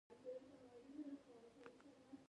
مخلوط باید د عراده جاتو په مقابل کې پایدار وي